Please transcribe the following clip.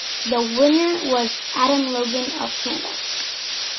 The winner was Adam Logan of Canada.